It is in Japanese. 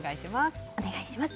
お願いします。